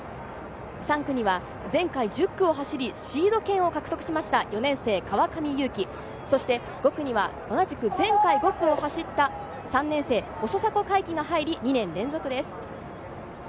３区には前回、１０区を走り、シード権を獲得しました４年生・川上有生、そして５区に同じく前回５区を走った３年生・細迫海気が入り２年連続です。